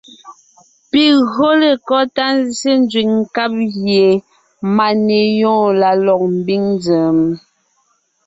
Pi gÿǒ lekɔ́ tá nzsé nzẅìŋ nkáb gie máneyoon la lɔg mbiŋ nzèm?